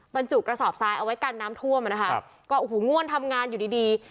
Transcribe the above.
บรรจุกระสอบทรายเอาไว้กันน้ำท่วมอ่ะนะคะก็โอ้โหง่วนทำงานอยู่ดีดี